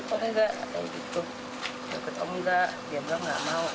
dia ikut om gak dia bilang gak mau